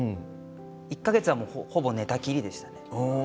１か月は、ほぼ寝たきりでした。